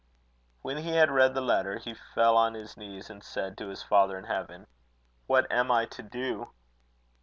When he had read the letter, he fell on his knees, and said to his father in heaven: "What am I to do?"